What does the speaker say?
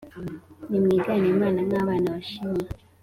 nimwigane imana nk abana bashimwa